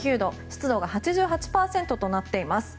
湿度が８８％となっています。